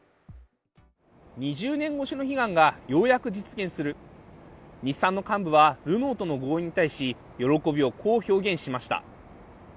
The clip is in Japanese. ２０年越しの悲願がようやく実現する、日産の幹部はルノーとの合意に対し、喜びをこう表現しました。